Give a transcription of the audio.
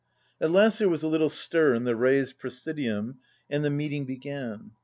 At last there was a little stir in the raised presi dium, and the meeting began.